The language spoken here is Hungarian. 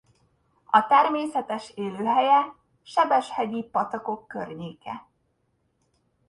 A természetes élőhelye sebes hegyi patakok környéke.